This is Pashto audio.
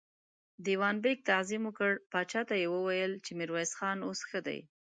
دېوان بېګ تعظيم وکړ، پاچا ته يې وويل چې ميرويس خان اوس ښه دی.